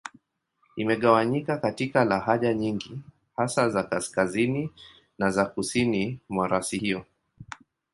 Imegawanyika katika lahaja nyingi, hasa za Kaskazini na za Kusini mwa rasi hiyo.